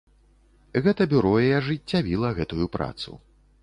Гэта бюро і ажыццявіла гэтую працу.